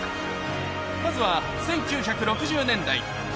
まずは、１９６０年代。